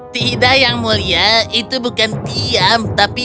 tidak yang mulia itu bukan diam tapi